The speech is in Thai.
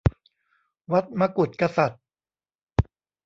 วัดมกุฏกษัตริย์